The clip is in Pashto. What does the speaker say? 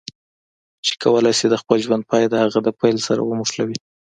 چې کولای شي د خپل ژوند پای د هغه د پیل سره وموښلوي.